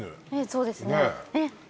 そうですね